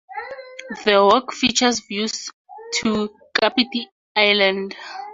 The walk features views to Kapiti Island.